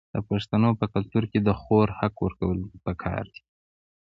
د پښتنو په کلتور کې د خور حق ورکول پکار دي.